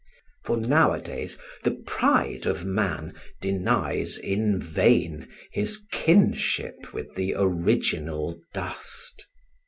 For nowadays the pride of man denies in vain his kinship with the original dust.